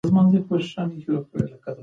سیاسي مشارکت د ولس غږ دی